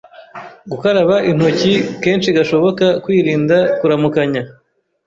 “Gukaraba intoki kenshi gashoboka , kwirinda kuramukanya,